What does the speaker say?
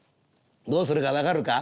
どうするか分かるか？